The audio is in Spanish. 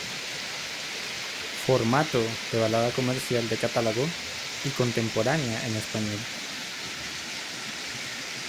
Formato de balada comercial de catálogo y contemporánea en español.